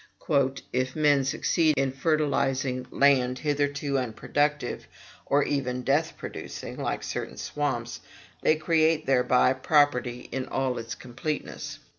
"If men succeed in fertilizing land hitherto unproductive, or even death producing, like certain swamps, they create thereby property in all its completeness."